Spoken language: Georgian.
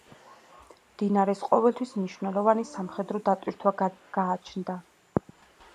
მდინარეს ყოველთვის მნიშვნელოვანი სამხედრო დატვირთვა გააჩნდა.